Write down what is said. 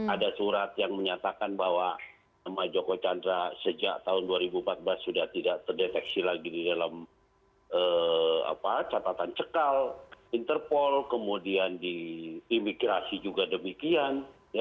ada surat yang menyatakan bahwa nama joko chandra sejak tahun dua ribu empat belas sudah tidak terdeteksi lagi di dalam catatan cekal interpol kemudian di imigrasi juga demikian